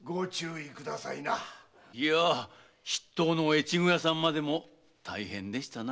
いや筆頭の越後屋さんまでも大変でしたな。